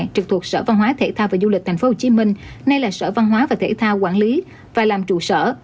trực thuộc sở văn hóa thể thao và du lịch tp hcm nay là sở văn hóa và thể thao quản lý và làm trụ sở